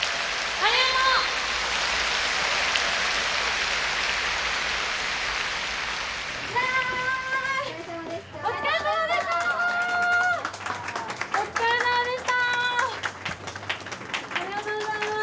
ありがとうございます。